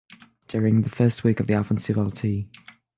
During the first week of the offensive Lt.